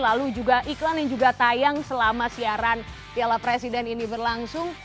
lalu juga iklan yang juga tayang selama siaran piala presiden ini berlangsung